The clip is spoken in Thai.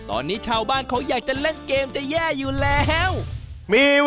โอ้โหไปเลยเอาไปเลยเร็ว